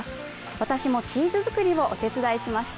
私もチーズ作りをお手伝いしました。